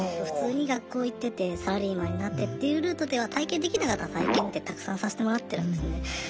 普通に学校行っててサラリーマンになってっていうルートでは体験できなかった体験ってたくさんさせてもらってるんですね。